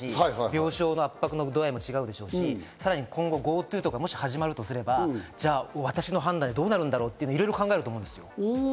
病床の圧迫度合いも違うでしょうし、さらに今後、ＧｏＴｏなどが始まるとすれば私の判断でどうなるだろうと考えると思います。